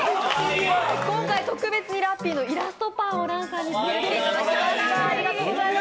今回、特別にラッピーのイラストパンを作っていただきました。